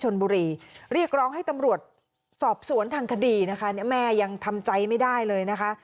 เรียกร้องให้ตำรวจสอบสวนทางคดีนะคะเนี่ยแม่ยังทำใจไม่ได้เลยนะคะ